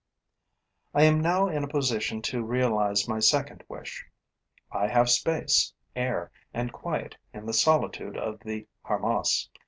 I am now in a position to realize my second wish. I have space, air and quiet in the solitude of the harmas.